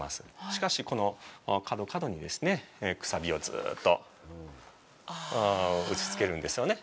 しかし、この角、角にくさびをずっと打ちつけるんですよね。